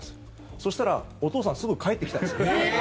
そしたら、お父さんすぐ帰ってきたんですよ。